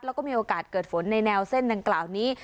แล้วก็มีโอกาสเกิดฝนในแนวเส้นดังกล่าวนี้